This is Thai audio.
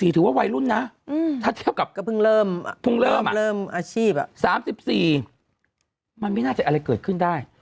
๓๔ถือว่าวัยรุ่นนะก็เพิ่งเริ่มเริ่มอาชีพ๓๔มันไม่น่าจะอะไรเกิดขึ้นได้